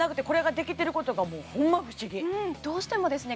はいどうしてもですね